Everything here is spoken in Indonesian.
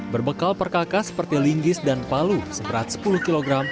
berbekal perkakas seperti linggis dan palu seberat sepuluh kg